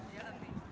thổ nhĩ kỳ